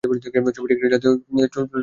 ছবিটি একটি জাতীয় চলচ্চিত্র পুরস্কার লাভ করে।